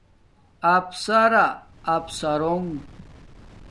افسراافسرُنگ